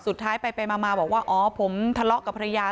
สุดท้ายไปมาบอกว่าอ๋อผมทะเลาะกับภรรยา